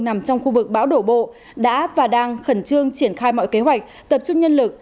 nằm trong khu vực bão đổ bộ đã và đang khẩn trương triển khai mọi kế hoạch tập trung nhân lực